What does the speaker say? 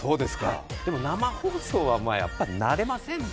でも生放送はやっぱり慣れませんね。